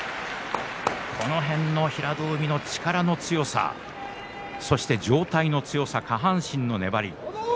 この辺の平戸海の力の強さそして上体の強さ下半身の粘り。